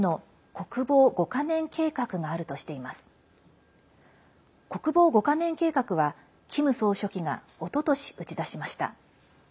国防５か年計画はキム総書記がおととし打ち出しました。